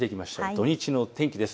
土日の天気です。